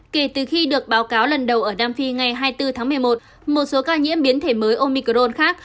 kể từ khi được báo cáo lần đầu ở nam phi ngày hai mươi bốn tháng một mươi một một số ca nhiễm biến thể mới omicron khác